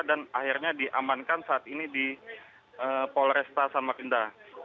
dan akhirnya diamankan saat ini di polresta samarinda